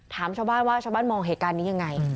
ถามชาวบ้านว่าชาวบ้านมองเหตุการณ์นี้ยังไง